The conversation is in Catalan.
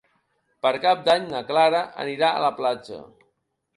Per Cap d'Any na Clara anirà a la platja.